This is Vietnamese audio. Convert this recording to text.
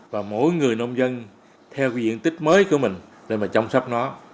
và mỗi người nông dân theo cái diện tích mới của mình để mà chăm sóc nó